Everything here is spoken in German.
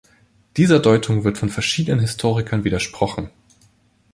Dieser Deutung wird von verschiedenen Historikern widersprochen.